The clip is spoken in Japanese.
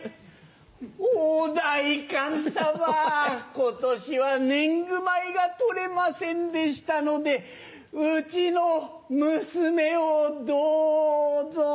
今年は年貢米がとれませんでしたのでうちの娘をどうぞ。